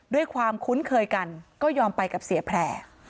ความคุ้นเคยกันก็ยอมไปกับเสียแพร่